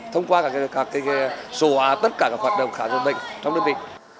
thông qua cả cái sổ hóa tất cả các hoạt động khám chữa bệnh trong đơn vị